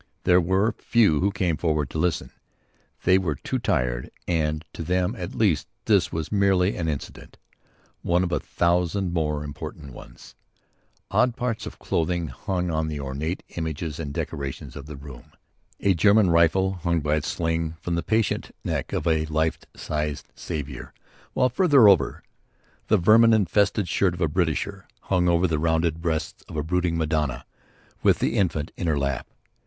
There were few who came forward to listen. They were too tired, and to them at least, this was merely an incident one of a thousand more important ones. Odd parts of clothes hung on the ornate images and decorations of the room. A German rifle hung by its sling from the patient neck of a life sized Saviour, while further over, the vermin infested shirt of a Britisher hung over the rounded breasts of a brooding Madonna, with the Infant in her lap.